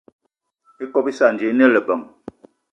Ikob íssana ji íne lebeng.